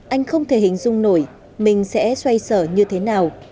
anh không thể hình dung nổi mình sẽ xoay sở như thế nào